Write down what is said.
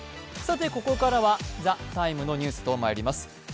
ここからは「ＴＨＥＴＩＭＥ，」のニュースとまいります。